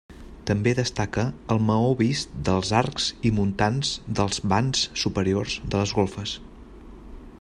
També destaca el maó vist dels arcs i muntants dels vans superiors de les golfes.